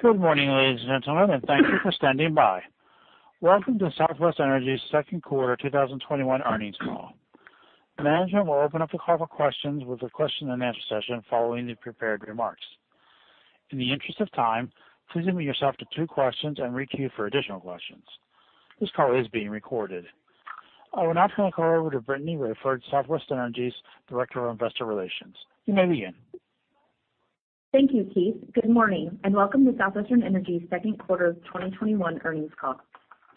Good morning, ladies and gentlemen, and thank you for standing by. Welcome to Southwestern Energy's second quarter 2021 earnings call. The management will open up the call for questions with a question and answer session following the prepared remarks. In the interest of time, please limit yourself to two questions and re-queue for additional questions. This call is being recorded. I will now turn the call over to Brittany Raiford, Southwestern Energy's Director of Investor Relations. You may begin. Thank you, Keith. Good morning, and welcome to Southwestern Energy's second quarter 2021 earnings call.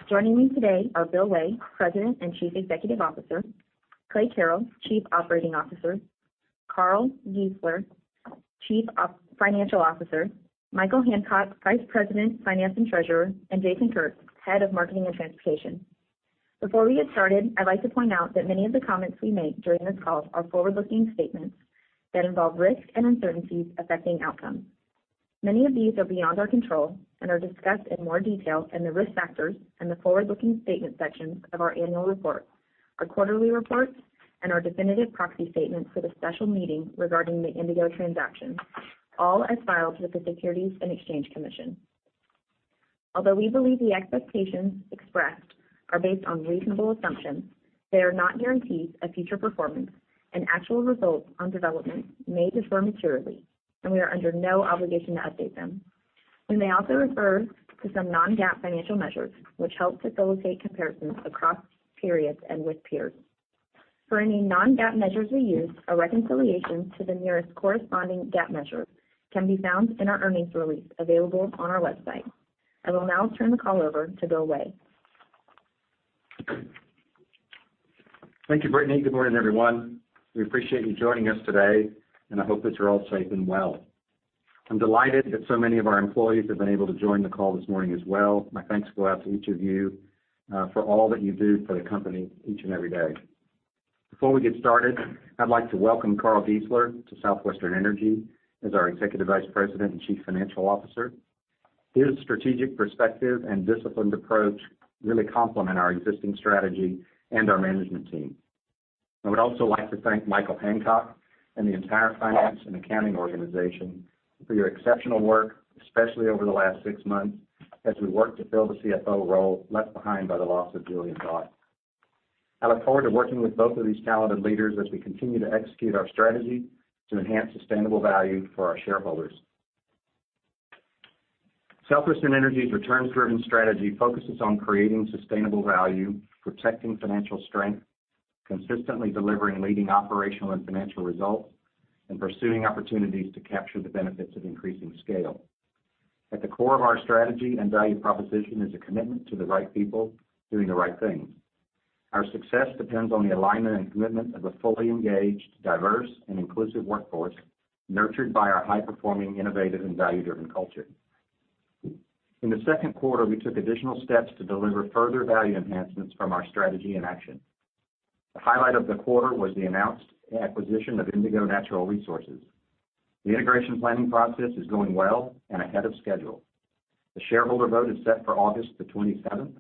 Joining me today are Bill Way, President and Chief Executive Officer, Clay Carrell, Chief Operating Officer, Carl Giesler, Chief Financial Officer, Michael Hancock, Vice President, Finance and Treasurer, and Jason Kurtz, Head of Marketing and Transportation. Before we get started, I'd like to point out that many of the comments we make during this call are forward-looking statements that involve risks and uncertainties affecting outcomes. Many of these are beyond our control and are discussed in more detail in the Risk Factors and the Forward-Looking Statements sections of our annual report, our quarterly reports, and our definitive proxy statement for the special meeting regarding the Indigo transaction, all as filed with the Securities and Exchange Commission. Although we believe the expectations expressed are based on reasonable assumptions, they are not guarantees of future performance, and actual results on developments may differ materially, and we are under no obligation to update them. We may also refer to some non-GAAP financial measures, which help facilitate comparisons across periods and with peers. For any non-GAAP measures we use, a reconciliation to the nearest corresponding GAAP measure can be found in our earnings release, available on our website. I will now turn the call over to Bill Way. Thank you, Brittany. Good morning, everyone. We appreciate you joining us today, and I hope that you're all safe and well. I'm delighted that so many of our employees have been able to join the call this morning as well. My thanks go out to each of you for all that you do for the company each and every day. Before we get started, I'd like to welcome Carl Giesler to Southwestern Energy as our Executive Vice President and Chief Financial Officer. His strategic perspective and disciplined approach really complement our existing strategy and our management team. I would also like to thank Michael Hancock and the entire finance and accounting organization for your exceptional work, especially over the last six months, as we work to fill the CFO role left behind by the loss of Julian Bott. I look forward to working with both of these talented leaders as we continue to execute our strategy to enhance sustainable value for our shareholders. Southwestern Energy's returns-driven strategy focuses on creating sustainable value, protecting financial strength, consistently delivering leading operational and financial results, and pursuing opportunities to capture the benefits of increasing scale. At the core of our strategy and value proposition is a commitment to the right people doing the right things. Our success depends on the alignment and commitment of a fully engaged, diverse, and inclusive workforce nurtured by our high-performing, innovative, and value-driven culture. In the second quarter, we took additional steps to deliver further value enhancements from our strategy in action. The highlight of the quarter was the announced acquisition of Indigo Natural Resources. The integration planning process is going well and ahead of schedule. The shareholder vote is set for August 27th.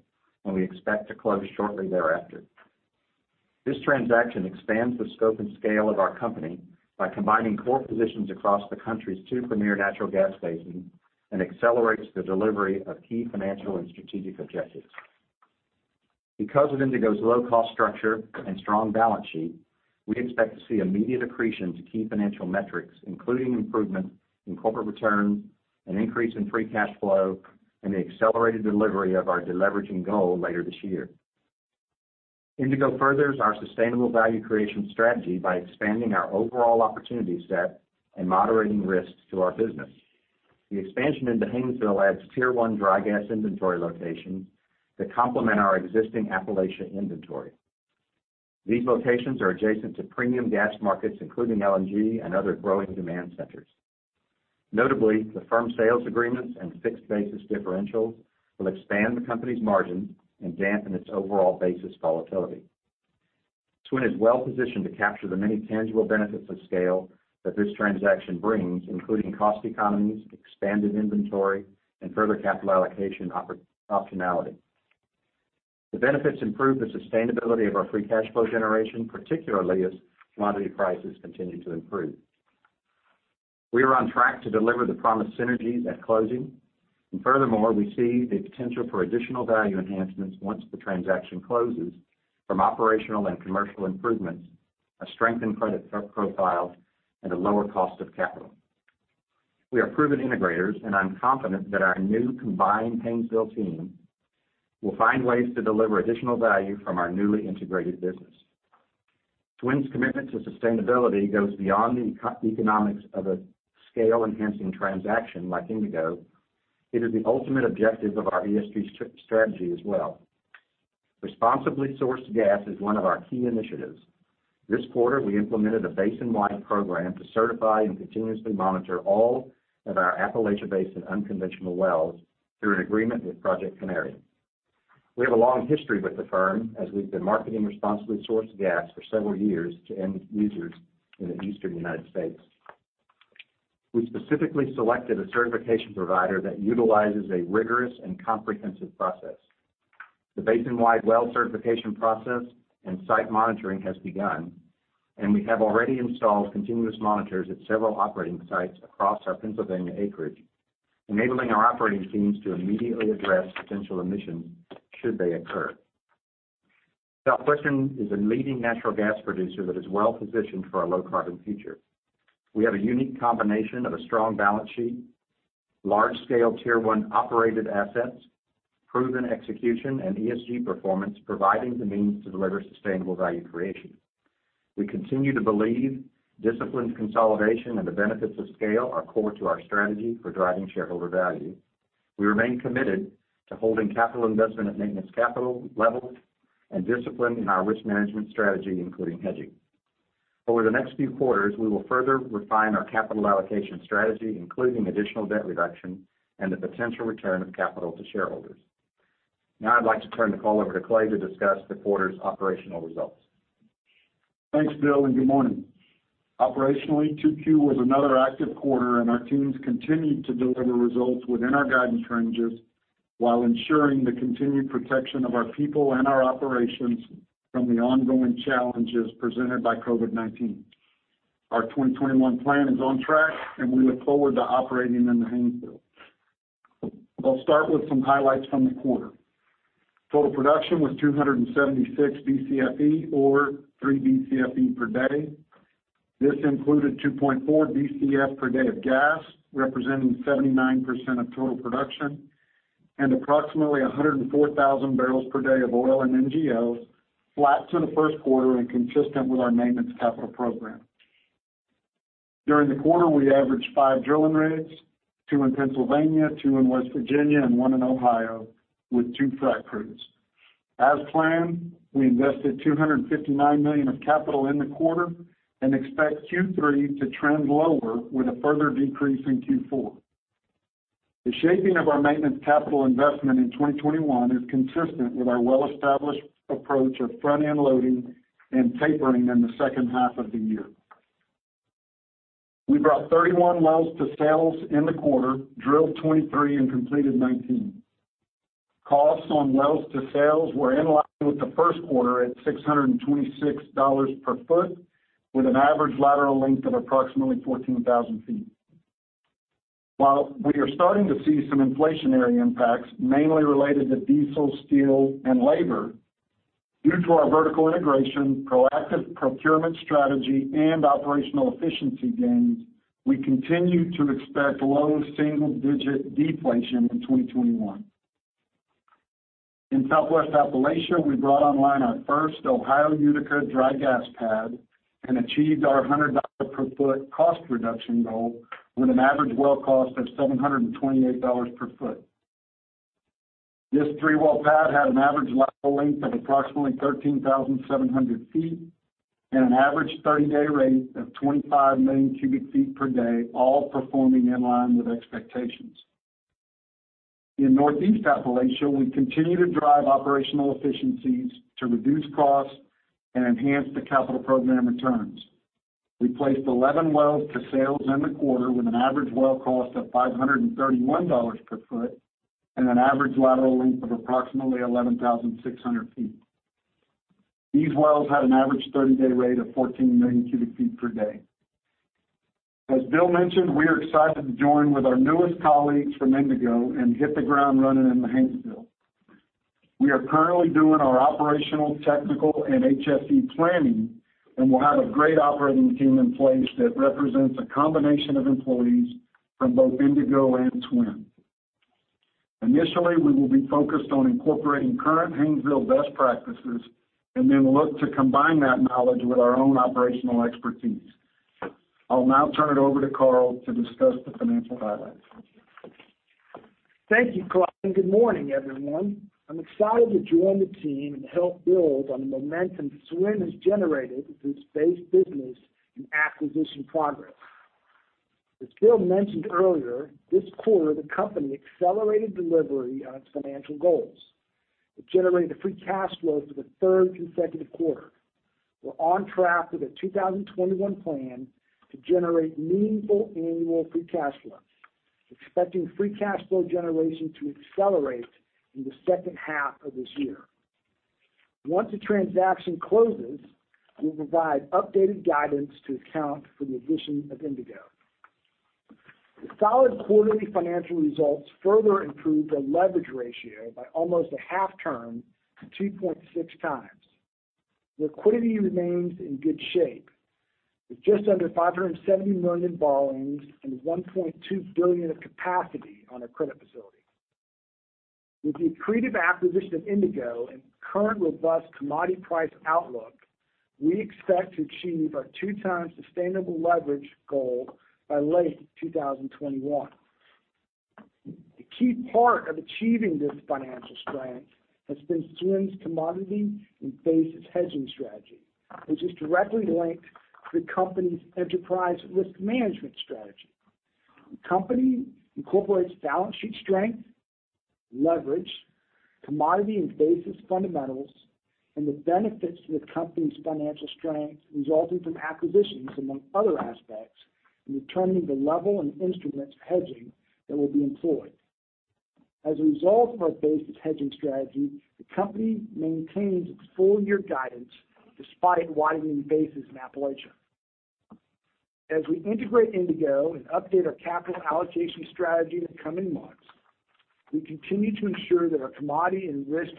We expect to close shortly thereafter. This transaction expands the scope and scale of our company by combining core positions across the country's two premier natural gas basins and accelerates the delivery of key financial and strategic objectives. Because of Indigo's low-cost structure and strong balance sheet, we expect to see immediate accretion to key financial metrics, including improvement in corporate return, an increase in free cash flow, and the accelerated delivery of our de-leveraging goal later this year. Indigo furthers our sustainable value creation strategy by expanding our overall opportunity set and moderating risks to our business. The expansion into Haynesville adds Tier 1 dry gas inventory locations that complement our existing Appalachia inventory. These locations are adjacent to premium gas markets, including LNG and other growing demand centers. Notably, the firm sales agreements and fixed basis differentials will expand the company's margin and dampen its overall basis volatility. SWN is well-positioned to capture the many tangible benefits of scale that this transaction brings, including cost economies, expanded inventory, and further capital allocation optionality. The benefits improve the sustainability of our free cash flow generation, particularly as commodity prices continue to improve. We are on track to deliver the promised synergies at closing, and furthermore, we see the potential for additional value enhancements once the transaction closes from operational and commercial improvements, a strengthened credit profile, and a lower cost of capital. We are proven integrators, and I'm confident that our new combined Haynesville team will find ways to deliver additional value from our newly integrated business. SWN's commitment to sustainability goes beyond the economics of a scale-enhancing transaction like Indigo. It is the ultimate objective of our ESG strategy as well. Responsibly sourced gas is one of our key initiatives. This quarter, we implemented a basin-wide program to certify and continuously monitor all of our Appalachia Basin unconventional wells through an agreement with Project Canary. We have a long history with the firm, as we've been marketing responsibly sourced gas for several years to end users in the Eastern United States. We specifically selected a certification provider that utilizes a rigorous and comprehensive process. The basin-wide well certification process and site monitoring has begun, and we have already installed continuous monitors at several operating sites across our Pennsylvania acreage, enabling our operating teams to immediately address potential emissions should they occur. Southwestern is a leading natural gas producer that is well-positioned for a low-carbon future. We have a unique combination of a strong balance sheet, large-scale Tier 1 operated assets, proven execution, and ESG performance, providing the means to deliver sustainable value creation. We continue to believe disciplined consolidation and the benefits of scale are core to our strategy for driving shareholder value. We remain committed to holding capital investment at maintenance capital levels and disciplined in our risk management strategy, including hedging. Over the next few quarters, we will further refine our capital allocation strategy, including additional debt reduction and the potential return of capital to shareholders. Now I'd like to turn the call over to Clay to discuss the quarter's operational results. Thanks, Bill, and good morning. Operationally, Q2 was another active quarter. Our teams continued to deliver results within our guidance ranges while ensuring the continued protection of our people and our operations from the ongoing challenges presented by COVID-19. Our 2021 plan is on track. We look forward to operating in the Haynesville. I'll start with some highlights from the quarter. Total production was 276 BCFE or 3 BCFE per day. This included 2.4 BCF per day of gas, representing 79% of total production, and approximately 104,000 bbl per day of oil and NGLs, flat to the first quarter and consistent with our maintenance capital program. During the quarter, we averaged five drilling rigs, two in Pennsylvania, two in West Virginia, and one in Ohio, with two frac crews. As planned, we invested $259 million of capital in the quarter and expect Q3 to trend lower with a further decrease in Q4. The shaping of our maintenance capital investment in 2021 is consistent with our well-established approach of front-end loading and tapering in the second half of the year. We brought 31 wells to sales in the quarter, drilled 23 and completed 19. Costs on wells to sales were in line with the first quarter at $626 per foot, with an average lateral length of approximately 14,000 ft. While we are starting to see some inflationary impacts, mainly related to diesel, steel and labor, due to our vertical integration, proactive procurement strategy, and operational efficiency gains, we continue to expect low single-digit deflation in 2021. In Southwest Appalachia, we brought online our first Ohio Utica dry gas pad and achieved our $100 per foot cost reduction goal with an average well cost of $728 per foot. This three-well pad had an average lateral length of approximately 13,700 ft and an average 30-day rate of 25,000,000 cu ft per day, all performing in line with expectations. In Northeast Appalachia, we continue to drive operational efficiencies to reduce costs and enhance the capital program returns. We placed 11 wells to sales in the quarter with an average well cost of $531 per foot and an average lateral length of approximately 11,600 ft. These wells had an average 30-day rate of 14,000,000 cu ft per day. As Bill mentioned, we are excited to join with our newest colleagues from Indigo and hit the ground running in the Haynesville. We are currently doing our operational, technical, and HSE planning, and we'll have a great operating team in place that represents a combination of employees from both Indigo and SWN. Initially, we will be focused on incorporating current Haynesville best practices and then look to combine that knowledge with our own operational expertise. I'll now turn it over to Carl to discuss the financial highlights. Thank you, Clay, and good morning, everyone. I'm excited to join the team and help build on the momentum SWN has generated with its base business and acquisition progress. As Bill mentioned earlier, this quarter the company accelerated delivery on its financial goals. It generated a free cash flow for the third consecutive quarter. We're on track with a 2021 plan to generate meaningful annual free cash flow, expecting free cash flow generation to accelerate in the second half of this year. Once the transaction closes, we'll provide updated guidance to account for the addition of Indigo. The solid quarterly financial results further improved our leverage ratio by almost a half turn to 2.6x. Liquidity remains in good shape. With just under $570 million borrowings and $1.2 billion of capacity on our credit facility. With the accretive acquisition of Indigo and current robust commodity price outlook, we expect to achieve our 2x sustainable leverage goal by late 2021. The key part of achieving this financial strength has been SWN's commodity and basis hedging strategy, which is directly linked to the company's enterprise risk management strategy. The company incorporates balance sheet strength, leverage, commodity and basis fundamentals, and the benefits to the company's financial strength resulting from acquisitions, among other aspects, in determining the level and instruments of hedging that will be employed. As a result of our basis hedging strategy, the company maintains its full-year guidance despite widening basis in Appalachia. As we integrate Indigo and update our capital allocation strategy in the coming months, we continue to ensure that our commodity and risk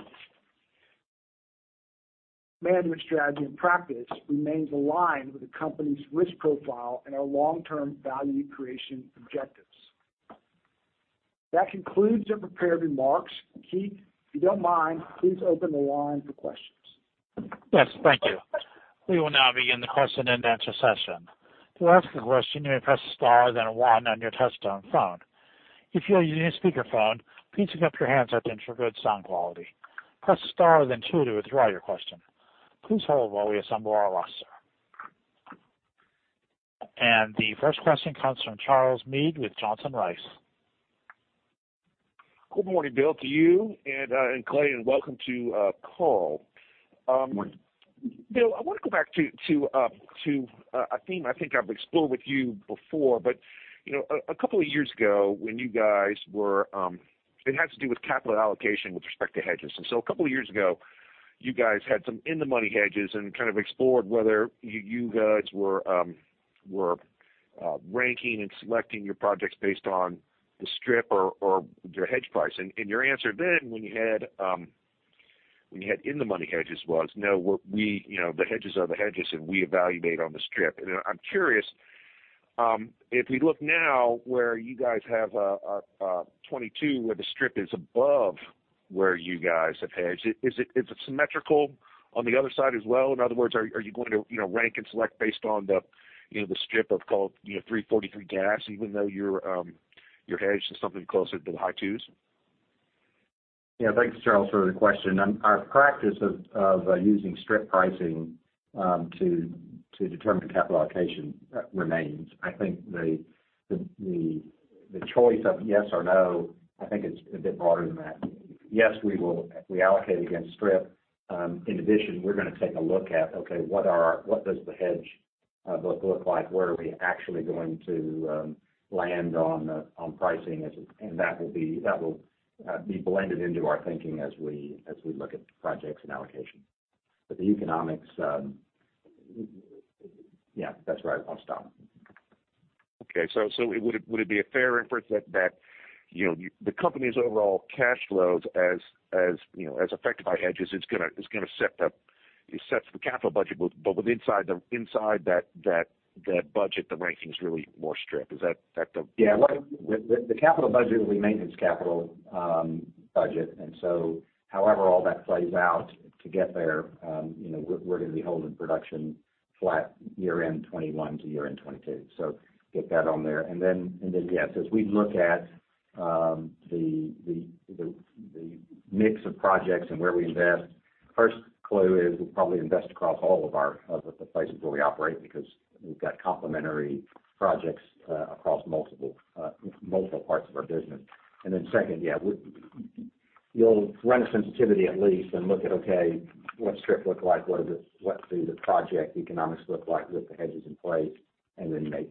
management strategy and practice remains aligned with the company's risk profile and our long-term value creation objectives. That concludes the prepared remarks. Keith, if you don't mind, please open the line for questions. Yes, thank you. We will now begin the question and answer session. To ask a question, you may press star, then one on your touchtone phone. If you are using a speakerphone, please pick up your handset for good sound quality. Press star then two to withdraw your question. Please hold while we assemble our roster. The first question comes from Charles Meade with Johnson Rice. Good morning, Bill, to you and Clay, and welcome to Carl. Morning. Bill, I want to go back to a theme I think I've explored with you before. A couple of years ago, it had to do with capital allocation with respect to hedges. A couple of years ago, you guys had some in-the-money hedges and kind of explored whether you guys were ranking and selecting your projects based on the strip or your hedge price. Your answer then when you had in-the-money hedges was, "No, the hedges are the hedges, and we evaluate on the strip." I'm curious, if we look now where you guys have a 2022 where the strip is above where you guys have hedged, is it symmetrical on the other side as well? In other words, are you going to rank and select based on the strip of call, $3.43 gas, even though your hedge is something closer to the high twos? Thanks, Charles, for the question. Our practice of using strip pricing to determine the capital allocation remains. I think the choice of yes or no, I think it's a bit broader than that. Yes, we allocate against strip. In addition, we're going to take a look at, okay, what does the hedge book look like? Where are we actually going to land on pricing? That will be blended into our thinking as we look at projects and allocation. Yeah, that's right. I'll stop. Okay, would it be a fair inference that the company's overall cash flows, as affected by hedges, it sets the capital budget, but inside that budget, the ranking's really more strip. Yeah. The capital budget will be maintenance capital budget. However all that plays out to get there, we're going to be holding production flat year-end 2021 to year-end 2022. Get that on there. Yes, as we look at the mix of projects and where we invest, first clue is we'll probably invest across all of the places where we operate, because we've got complementary projects across multiple parts of our business. Second, yeah, you'll run a sensitivity at least and look at, okay, what's strip look like? What do the project economics look like with the hedges in place? Make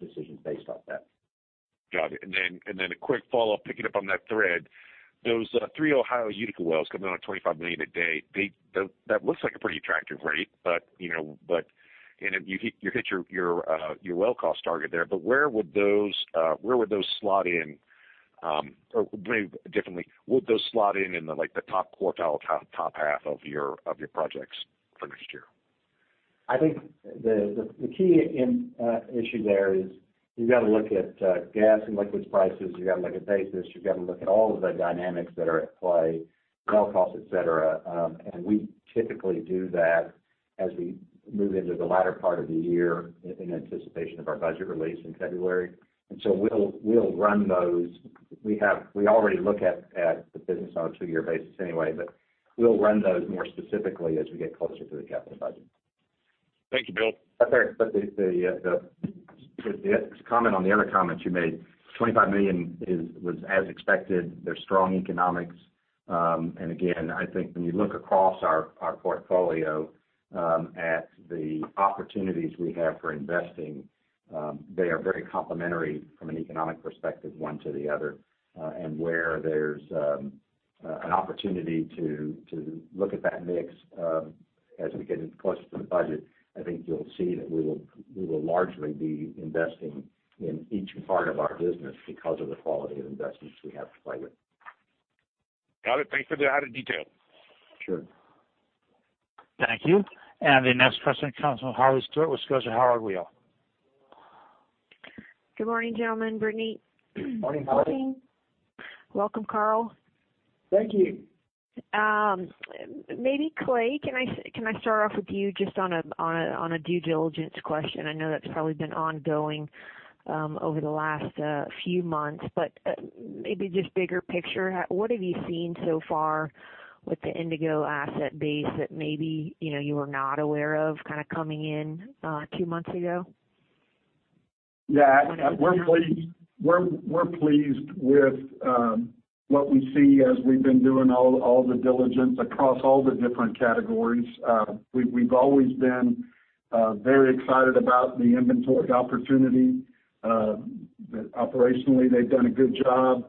decisions based off that. Got it. A quick follow-up, picking up on that thread. Those three Ohio Utica wells coming on at $25 million a day, that looks like a pretty attractive rate. You hit your well cost target there, but where would those slot in? Maybe differently, would those slot in in the top quartile, top half of your projects for next year? I think the key issue there is you've got to look at gas and liquids prices. You've got to look at basis. You've got to look at all of the dynamics that are at play, well costs, et cetera. We typically do that as we move into the latter part of the year in anticipation of our budget release in February. We'll run those. We already look at the business on a two-year basis anyway. We'll run those more specifically as we get closer to the capital budget. Thank you, Bill. That's all right. The comment on the other comment you made, $25 million was as expected. They're strong economics. Again, I think when you look across our portfolio at the opportunities we have for investing, they are very complementary from an economic perspective, one to the other. Where there's an opportunity to look at that mix as we get closer to the budget, I think you'll see that we will largely be investing in each part of our business because of the quality of investments we have to play with. Got it. Thanks for the added detail. Sure. Thank you. The next question comes from Holly Stewart with Scotiabank. Good morning, gentlemen. Brittany. Morning, Holly. Good morning. Welcome, Carl. Thank you. Maybe Clay Carrell, can I start off with you just on a due diligence question? I know that's probably been ongoing over the last few months, but maybe just bigger picture, what have you seen so far with the Indigo Natural Resources asset base that maybe you were not aware of coming in two months ago? Yeah. We're pleased with what we see as we've been doing all the diligence across all the different categories. We've always been very excited about the inventory opportunity. Operationally, they've done a good job.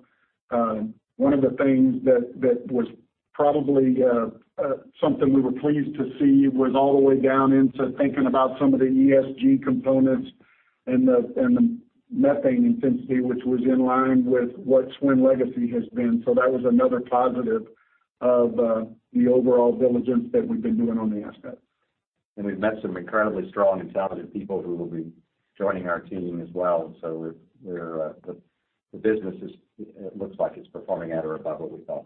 One of the things that was probably something we were pleased to see was all the way down into thinking about some of the ESG components and the methane intensity, which was in line with what SWN legacy has been. That was another positive of the overall diligence that we've been doing on the asset. We've met some incredibly strong and talented people who will be joining our team as well. The business looks like it's performing at or above what we thought.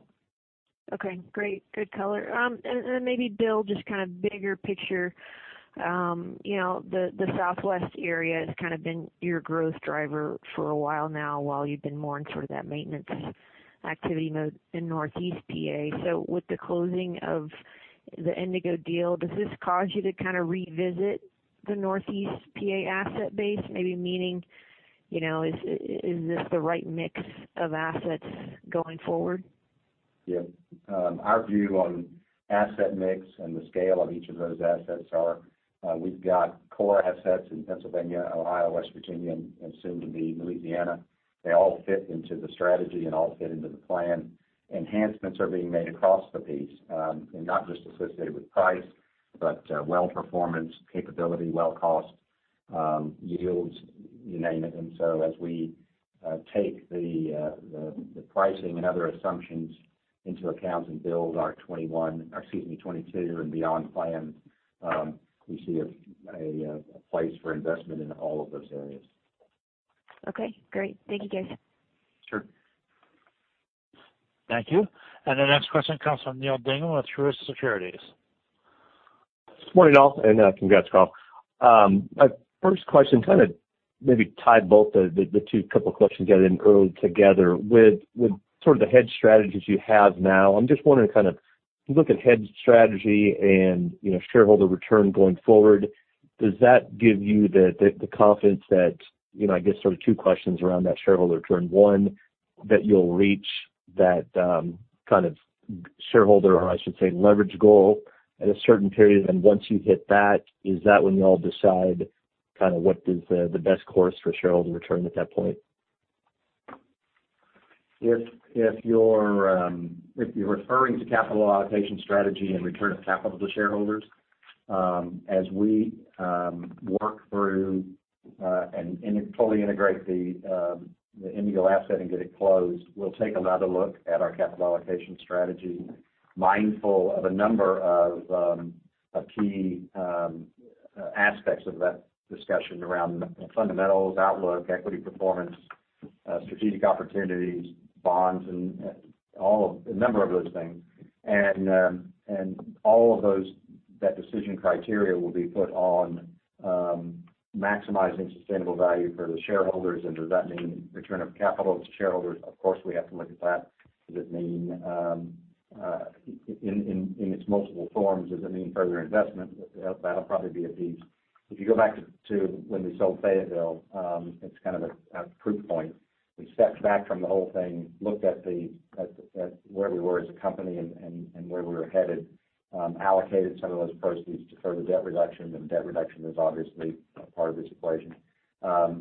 Okay, great. Good color. Maybe Bill, just kind of bigger picture. The Southwestern area has kind of been your growth driver for a while now, while you've been more in sort of that maintenance activity mode in Northeast PA. With the closing of the Indigo deal, does this cause you to kind of revisit the Northeast PA asset base? Maybe meaning, is this the right mix of assets going forward? Our view on asset mix and the scale of each of those assets are, we've got core assets in Pennsylvania, Ohio, West Virginia, and soon to be Louisiana. They all fit into the strategy and all fit into the plan. Enhancements are being made across the piece, and not just associated with price, but well performance, capability, well cost, yields, you name it. As we take the pricing and other assumptions into account and build our 2021, excuse me, 2022 and beyond plans, we see a place for investment in all of those areas. Okay, great. Thank you, guys. Sure. Thank you. The next question comes from Neal Dingmann with Truist Securities. Good morning all, and congrats, Carl. My first question kind of maybe tie both the two couple questions together in early together. With sort of the hedge strategies you have now, I'm just wondering, kind of look at hedge strategy and shareholder return going forward. Does that give you the confidence that I guess sort of two questions around that shareholder return. One, that you'll reach that kind of shareholder, or I should say, leverage goal at a certain period. Once you hit that, is that when you all decide kind of what is the best course for shareholder return at that point? If you're referring to capital allocation strategy and return of capital to shareholders, as we work through, and fully integrate the Indigo asset and get it closed, we'll take another look at our capital allocation strategy, mindful of a number of key aspects of that discussion around fundamentals, outlook, equity performance, strategic opportunities, bonds, and a number of those things. All of that decision criteria will be put on maximizing sustainable value for the shareholders. Does that mean return of capital to shareholders? Of course, we have to look at that. In its multiple forms, does it mean further investment? That'll probably be a piece. If you go back to when we sold Fayetteville, it's kind of a proof point. We stepped back from the whole thing, looked at where we were as a company and where we were headed, allocated some of those proceeds to further debt reduction, and debt reduction is obviously a part of this equation.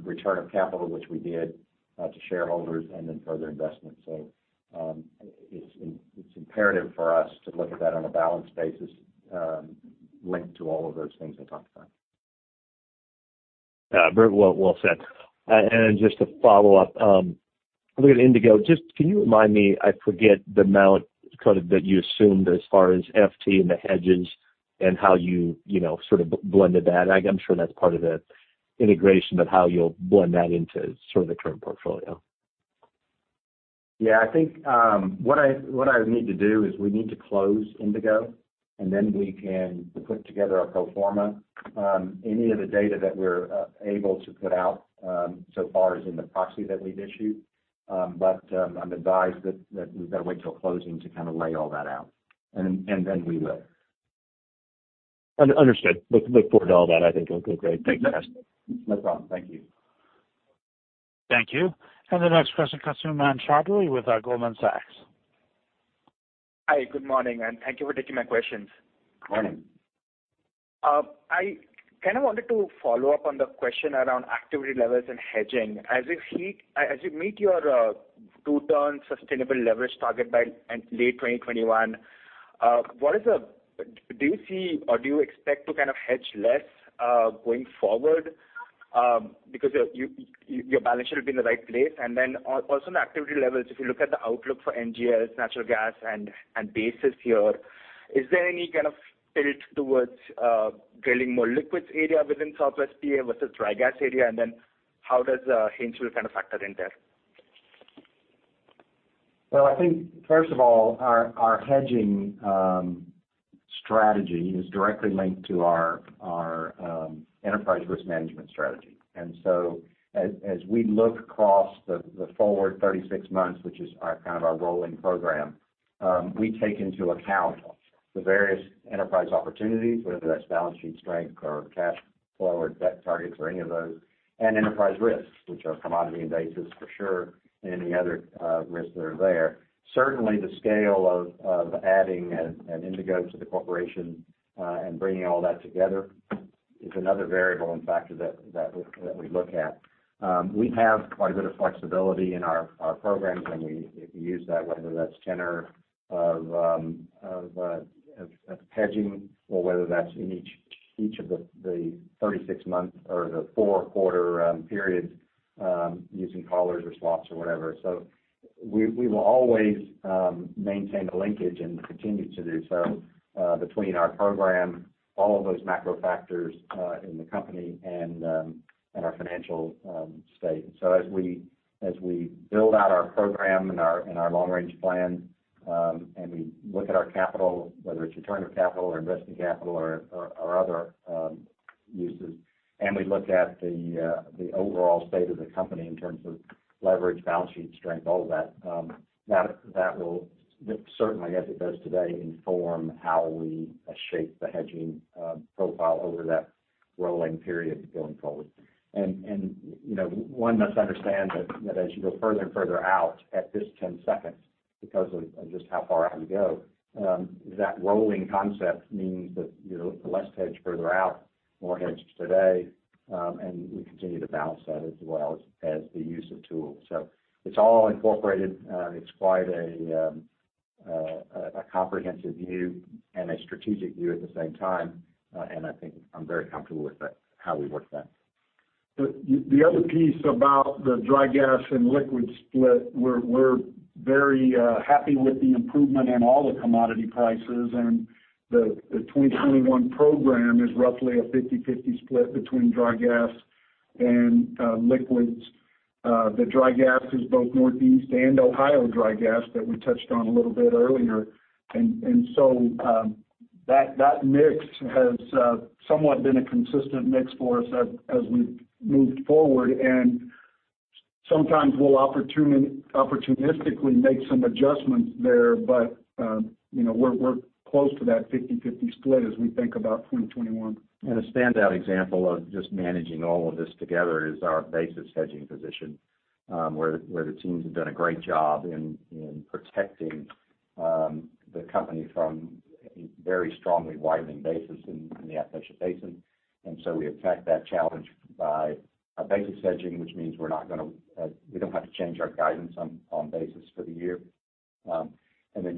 Return of capital, which we did, to shareholders, and then further investment. It's imperative for us to look at that on a balanced basis, linked to all of those things I talked about. Yeah. Very well said. Just to follow up, looking at Indigo, just can you remind me, I forget the amount, kind of that you assumed as far as FT and the hedges and how you sort of blended that. I'm sure that's part of the integration, but how you'll blend that into sort of the current portfolio. Yeah, I think what I need to do is we need to close Indigo, and then we can put together a pro forma. Any of the data that we're able to put out so far is in the proxy that we've issued. I'm advised that we've got to wait till closing to kind of lay all that out, and then we will. Understood. Look forward to all that. I think it'll be great. Thanks. No problem. Thank you. Thank you. The next question comes from Umang Choudhary with Goldman Sachs. Hi, good morning, and thank you for taking my questions. Good morning. I kind of wanted to follow up on the question around activity levels and hedging. As you meet your 2-ton sustainable leverage target by late 2021, do you see or do you expect to kind of hedge less going forward? Because your balance should have been in the right place. Also on activity levels, if you look at the outlook for NGLs, natural gas, and basis here, is there any kind of tilt towards drilling more liquids area within Southwest PA versus dry gas area? How does Haynesville kind of factor in there? Well, I think, first of all, our hedging strategy is directly linked to our enterprise risk management strategy. As we look across the forward 36 months, which is our kind of our rolling program. We take into account the various enterprise opportunities, whether that's balance sheet strength or cash flow or debt targets or any of those, and enterprise risks, which are commodity and basis for sure, and any other risks that are there. Certainly, the scale of adding an Indigo to the corporation and bringing all that together is another variable and factor that we look at. We have quite a bit of flexibility in our programs, and we use that, whether that's tenor of hedging or whether that's in each of the 36 month or the four quarter periods using collars or swaps or whatever. We will always maintain a linkage and continue to do so between our program, all of those macro factors in the company, and our financial state. As we build out our program and our long-range plan, and we look at our capital, whether it's return of capital or investing capital or our other uses, and we look at the overall state of the company in terms of leverage, balance sheet strength, all of that will certainly, as it does today, inform how we shape the hedging profile over that rolling period going forward. One must understand that as you go further and further out at this 10 second, because of just how far out you go, that rolling concept means that you're less hedged further out, more hedged today, and we continue to balance that as well as the use of tools. It's all incorporated. It's quite a comprehensive view and a strategic view at the same time, and I think I'm very comfortable with how we work that. The other piece about the dry gas and liquid split, we're very happy with the improvement in all the commodity prices, the 2021 program is roughly a 50/50 split between dry gas and liquids. The dry gas is both Northeast and Ohio dry gas that we touched on a little bit earlier. That mix has somewhat been a consistent mix for us as we've moved forward, and sometimes we'll opportunistically make some adjustments there. We're close to that 50/50 split as we think about 2021. A standout example of just managing all of this together is our basis hedging position, where the teams have done a great job in protecting the company from a very strongly widening basis in the Appalachian Basin. We attacked that challenge by a basis hedging, which means we don't have to change our guidance on basis for the year.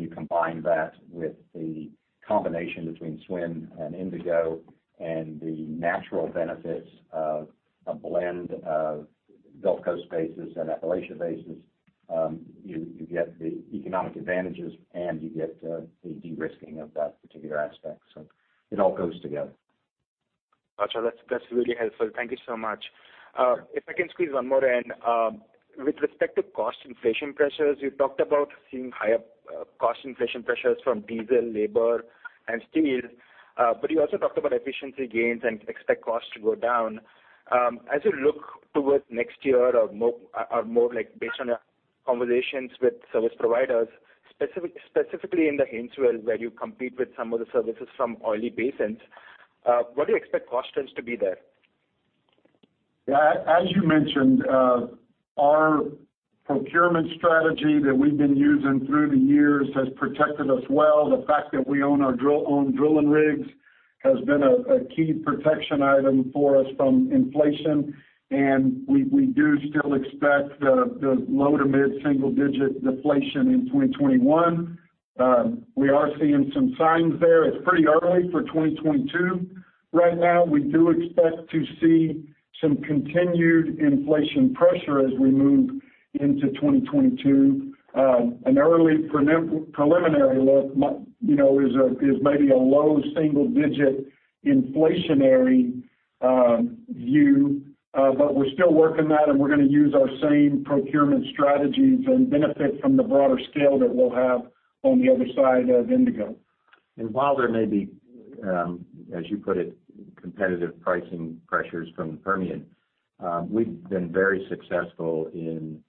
You combine that with the combination between SWN and Indigo and the natural benefits of a blend of Gulf Coast basis and Appalachian basis, you get the economic advantages, and you get the de-risking of that particular aspect. It all goes together. Got you. That's really helpful. Thank you so much. If I can squeeze one more in. With respect to cost inflation pressures, you talked about seeing higher cost inflation pressures from diesel, labor, and steel, but you also talked about efficiency gains and expect costs to go down. As you look towards next year or more based on your conversations with service providers, specifically in the Haynesville, where you compete with some of the services from oily basins, what do you expect cost trends to be there? Yeah. As you mentioned, our procurement strategy that we've been using through the years has protected us well. The fact that we own our own drilling rigs has been a key protection item for us from inflation, and we do still expect the low to mid-single-digit deflation in 2021. We are seeing some signs there. It's pretty early for 2022. Right now, we do expect to see some continued inflation pressure as we move into 2022. An early preliminary look is maybe a low single-digit inflationary view. We're still working that, and we're going to use our same procurement strategies and benefit from the broader scale that we'll have on the other side of Indigo. While there may be, as you put it, competitive pricing pressures from the Permian, we've been very successful in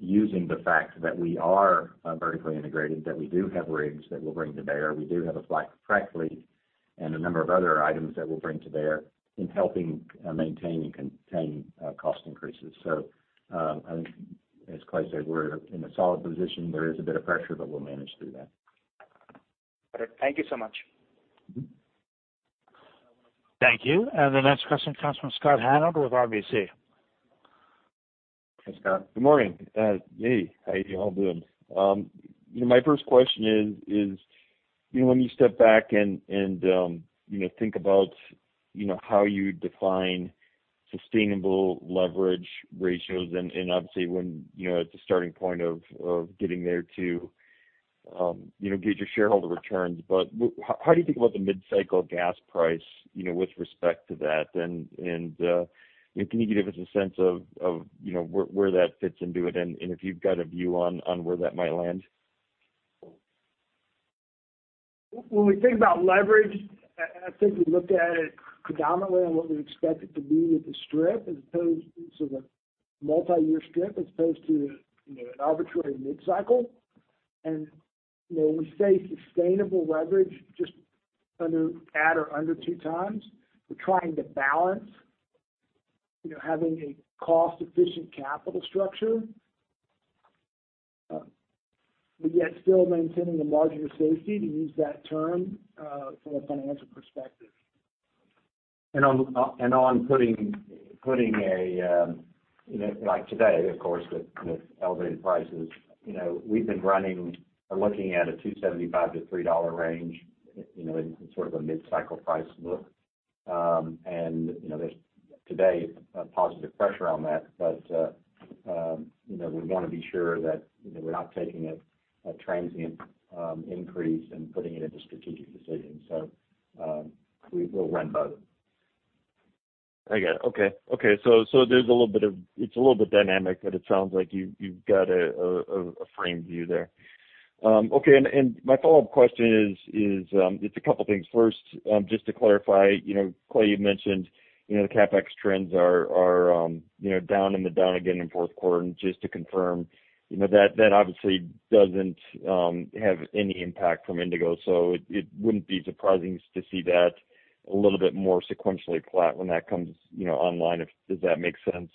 using the fact that we are vertically integrated, that we do have rigs that we'll bring to bear. We do have a frac fleet and a number of other items that we'll bring to bear in helping maintain and contain cost increases. I think as Clay said, we're in a solid position. There is a bit of pressure, but we'll manage through that. All right. Thank you so much. Thank you. The next question comes from Scott Hanold with RBC. Hey, Scott. Good morning. Hey. How you all doing? My first question is, when you step back and think about how you define sustainable leverage ratios, and obviously when it's a starting point of getting there to get your shareholder returns. How do you think about the mid-cycle gas price with respect to that? Can you give us a sense of where that fits into it and if you've got a view on where that might land? When we think about leverage, I think we looked at it predominantly on what we expect it to be with the strip as opposed to the multi-year strip as opposed to an arbitrary mid-cycle. When we say sustainable leverage, just under at or under two times, we're trying to balance having a cost-efficient capital structure, but yet still maintaining the margin of safety, to use that term, from a financial perspective. On putting like today, of course, with elevated prices, we've been running or looking at a $2.75-$3 range, in sort of a mid-cycle price look. There's today a positive pressure on that. We want to be sure that we're not taking a transient increase and putting it into strategic decisions. We'll trend about it. I get it. Okay. There's a little bit of it's a little bit dynamic, but it sounds like you've got a framed view there. Okay. My follow-up question is it's a couple things. First, just to clarify, Clay, you mentioned, the CapEx trends are down again in fourth quarter. Just to confirm, that obviously doesn't have any impact from Indigo, so it wouldn't be surprising to see that a little bit more sequentially flat when that comes online, does that make sense?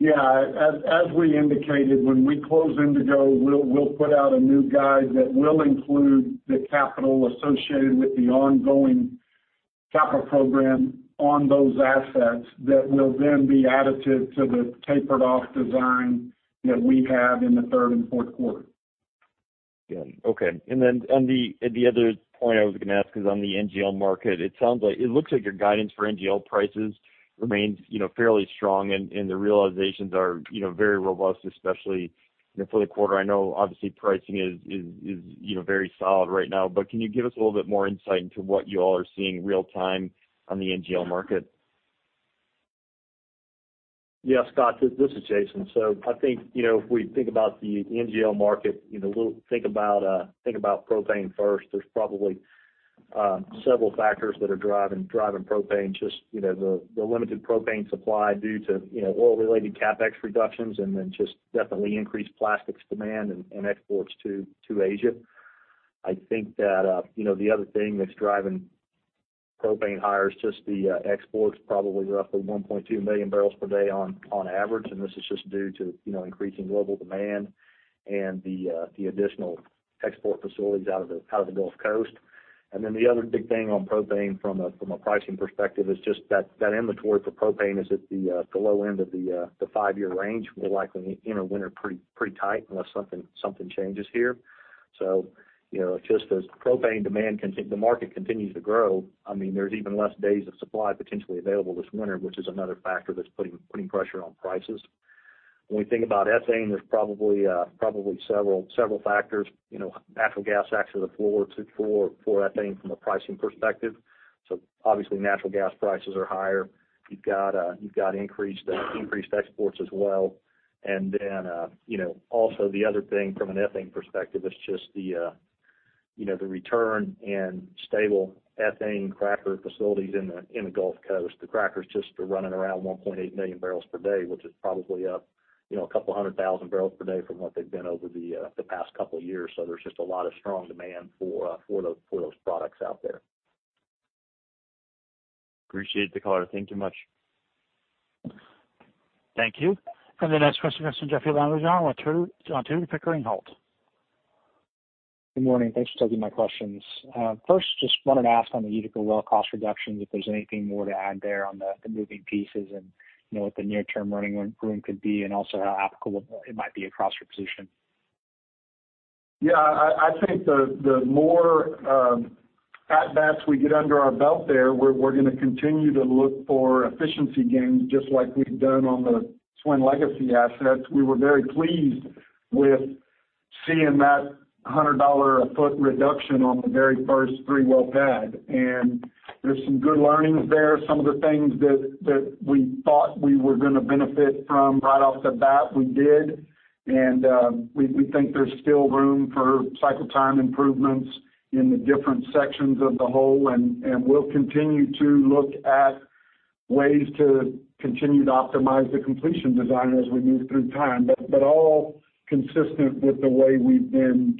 Yeah. As we indicated, when we close Indigo, we'll put out a new guide that will include the capital associated with the ongoing capital program on those assets that will then be additive to the tapered off design that we have in the third and fourth quarter. Got it. Okay. The other point I was going to ask is on the NGL market. It looks like your guidance for NGL prices remains fairly strong, and the realizations are very robust, especially, for the quarter. I know obviously pricing is very solid right now. Can you give us a little bit more insight into what you all are seeing real time on the NGL market? Yeah, Scott, this is Jason. I think, if we think about the NGL market, we'll think about propane first. There's probably several factors that are driving propane, just the limited propane supply due to oil-related CapEx reductions, and then just definitely increased plastics demand and exports to Asia. I think that the other thing that's driving propane higher is just the exports, probably roughly 1,200,000 bbl per day on average, and this is just due to increasing global demand and the additional export facilities out of the Gulf Coast. The other big thing on propane from a pricing perspective is just that inventory for propane is at the low end of the five-year range. We'll likely enter winter pretty tight unless something changes here. Just as propane demand, the market continues to grow, I mean, there's even less days of supply potentially available this winter, which is another factor that's putting pressure on prices. When we think about ethane, there's probably several factors. Natural gas acts as a floor support for ethane from a pricing perspective. Obviously natural gas prices are higher. You've got increased exports as well. Also the other thing from an ethane perspective is just the return and stable ethane cracker facilities in the Gulf Coast. The crackers just are running around 1.8 million barrels per day, which is probably up a couple of hundred thousands barrels per day from what they've been over the past couple of years. There's just a lot of strong demand for those products out there. Appreciate the color. Thank you much. Thank you. The next question comes from Jeoffrey Lambujon with Tudor, Pickering, Holt. Good morning. Thanks for taking my questions. First, just wanted to ask on the Utica well cost reductions, if there's anything more to add there on the moving pieces and what the near-term running room could be and also how applicable it might be across your position? Yeah. I think the more at bats we get under our belt there, we're going to continue to look for efficiency gains, just like we've done on the SWN legacy assets. We were very pleased with seeing that $100 a foot reduction on the very first three-well pad. There's some good learnings there. Some of the things that we thought we were going to benefit from right off the bat, we did. We think there's still room for cycle time improvements in the different sections of the hole, and we'll continue to look at ways to continue to optimize the completion design as we move through time, but all consistent with the way we've been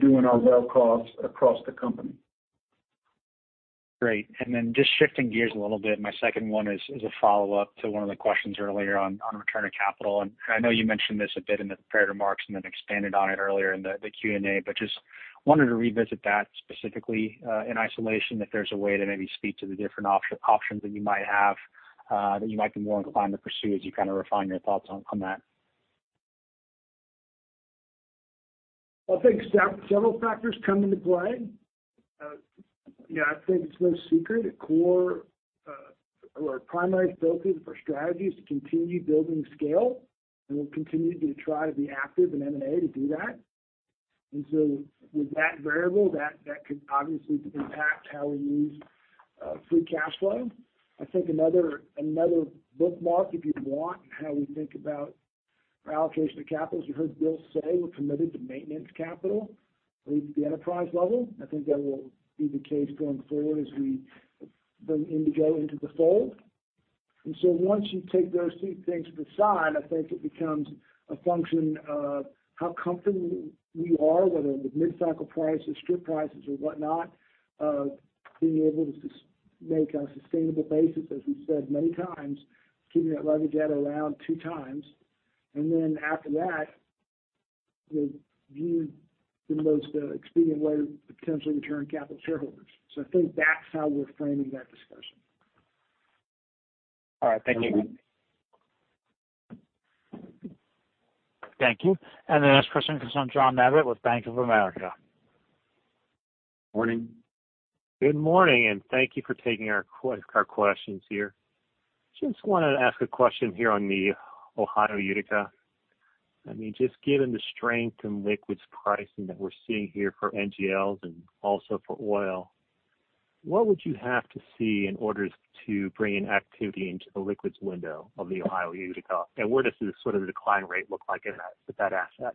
doing our well costs across the company. Great. Just shifting gears a little bit, my second one is a follow-up to one of the questions earlier on return of capital. I know you mentioned this a bit in the prepared remarks and then expanded on it earlier in the Q&A, just wanted to revisit that specifically in isolation, if there's a way to maybe speak to the different options that you might have that you might be more inclined to pursue as you kind of refine your thoughts on that? I think several factors come into play. Yeah, I think it's no secret. A core or our primary focus for strategy is to continue building scale, and we'll continue to try to be active in M&A to do that. With that variable, that could obviously impact how we use free cash flow. I think another bookmark, if you want, how we think about our allocation of capital, as you heard Bill say, we're committed to maintenance capital at the enterprise level. I think that will be the case going forward as we bring Indigo into the fold. Once you take those two things to the side, I think it becomes a function of how comfortable we are, whether with mid-cycle prices, strip prices or whatnot, of being able to make on a sustainable basis, as we've said many times, keeping that leverage at around two times. After that, we view the most expedient way to potentially return capital to shareholders. I think that's how we're framing that discussion. All right. Thank you. Thank you. The next question comes from John Abbott with Bank of America. Morning. Good morning, and thank you for taking our questions here. Just wanted to ask a question here on the Ohio Utica. Just given the strength in liquids pricing that we're seeing here for NGLs and also for oil, what would you have to see in order to bring in activity into the liquids window of the Ohio Utica? What does the decline rate look like at that asset?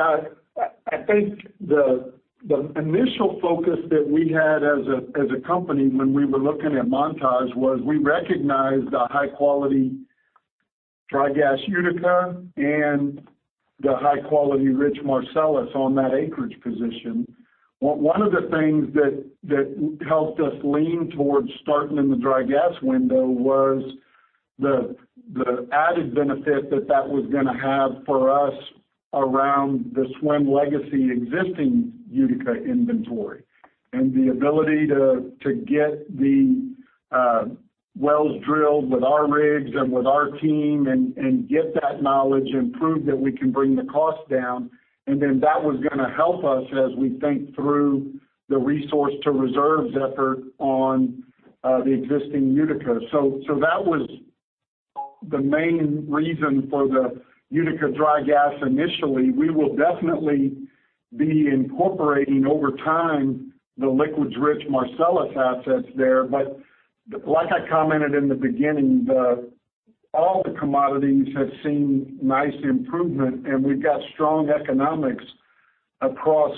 I think the initial focus that we had as a company when we were looking at Montage was we recognized the high-quality dry gas Utica and the high-quality rich Marcellus on that acreage position. One of the things that helped us lean towards starting in the dry gas window was the added benefit that that was going to have for us around the SWN legacy existing Utica inventory, and the ability to get the wells drilled with our rigs and with our team, and get that knowledge and prove that we can bring the cost down. That was going to help us as we think through the resource to reserves effort on the existing Utica. That was the main reason for the Utica dry gas initially. We will definitely be incorporating over time the liquids rich Marcellus assets there. Like I commented in the beginning, all the commodities have seen nice improvement, and we've got strong economics across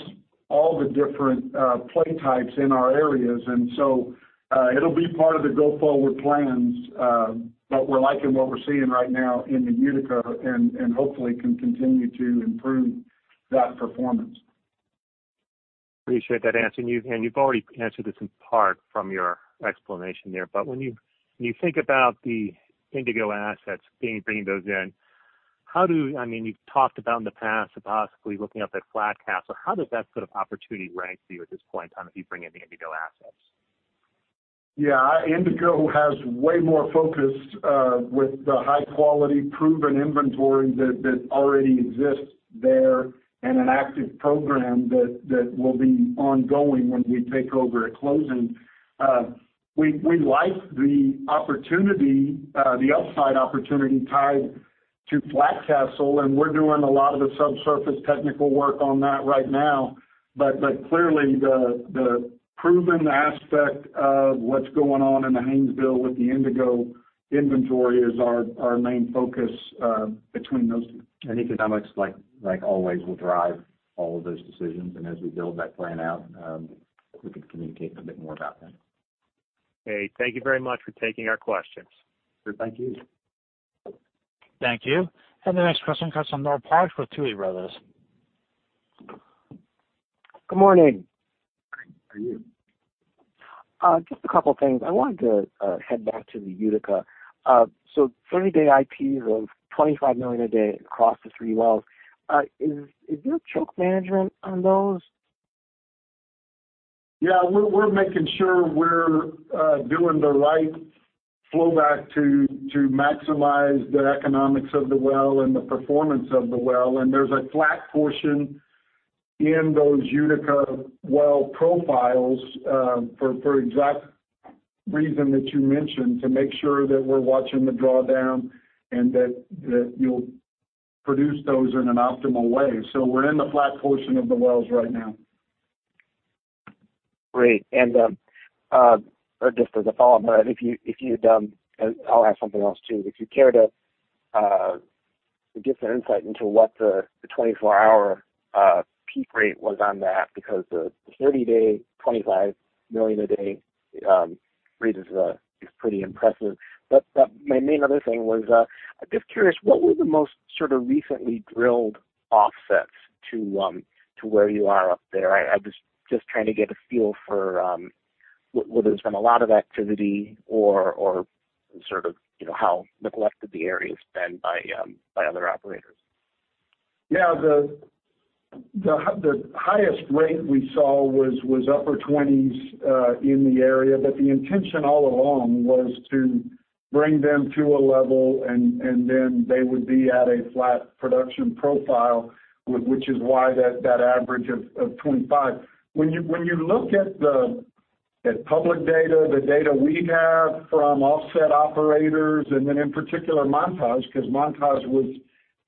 all the different play types in our areas. It'll be part of the go forward plans. We're liking what we're seeing right now in the Utica and hopefully can continue to improve that performance. Appreciate that answer. You've already answered this in part from your explanation there, when you think about the Indigo assets, bringing those in, you've talked about in the past possibly looking up at Flat Castle. How does that sort of opportunity rank to you at this point in time if you bring in the Indigo assets? Yeah. Indigo has way more focus with the high-quality proven inventory that already exists there and an active program that will be ongoing when we take over at closing. We like the upside opportunity tied to Flat Castle. We're doing a lot of the subsurface technical work on that right now. Clearly, the proven aspect of what's going on in the Haynesville with the Indigo inventory is our main focus between those two. Economics, like always, will drive all of those decisions, and as we build that plan out, we can communicate a bit more about that. Okay. Thank you very much for taking our questions. Sure. Thank you. Thank you. The next question comes from Noel Parks with Tuohy Brothers. Good morning. Good morning to you. Just a couple of things. I wanted to head back to the Utica. 30-day IPs of 25 million a day across the three wells. Is there choke management on those? Yeah. We're making sure we're doing the right flow back to maximize the economics of the well and the performance of the well. There's a flat portion in those Utica well profiles for exact reason that you mentioned, to make sure that we're watching the drawdown and that you'll produce those in an optimal way. We're in the flat portion of the wells right now. Great. Just as a follow-up, and I'll ask something else, too, if you care to give some insight into what the 24-hour peak rate was on that, because the 30-day, 25 million a day rate is pretty impressive. My main other thing was, just curious, what were the most sort of recently drilled offsets to where you are up there? I was just trying to get a feel for whether there's been a lot of activity or how neglected the area's been by other operators. Yeah. The highest rate we saw was upper 20s in the area, but the intention all along was to bring them to a level, and then they would be at a flat production profile, which is why that average of 25. When you look at public data, the data we have from offset operators, and then in particular Montage, because Montage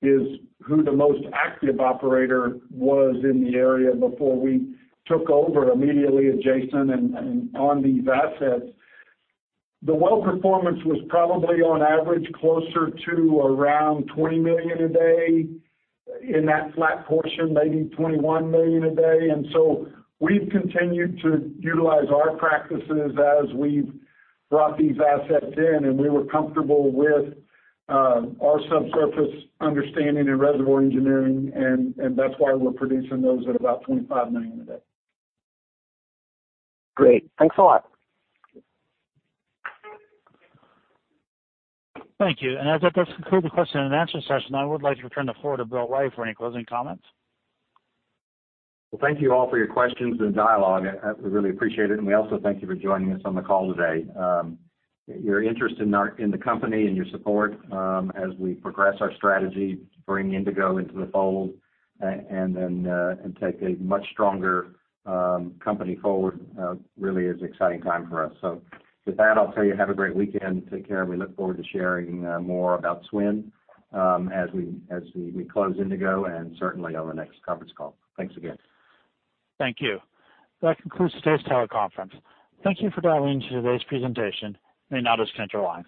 is who the most active operator was in the area before we took over immediately adjacent and on these assets. The well performance was probably on average closer to around 20 million a day. In that flat portion, maybe 21 million a day. We've continued to utilize our practices as we've brought these assets in, and we were comfortable with our subsurface understanding and reservoir engineering, and that's why we're producing those at about 25 million a day. Great. Thanks a lot. Thank you. As that does conclude the question and answer session, I would like to turn the floor to Bill Way for any closing comments. Well, thank you all for your questions and dialogue. We really appreciate it, and we also thank you for joining us on the call today. Your interest in the company and your support as we progress our strategy to bring Indigo into the fold and take a much stronger company forward really is an exciting time for us. With that, I'll tell you have a great weekend. Take care. We look forward to sharing more about SWN as we close Indigo and certainly on the next conference call. Thanks again. Thank you. That concludes today's teleconference. Thank you for dialing into today's presentation. You may now disconnect your lines.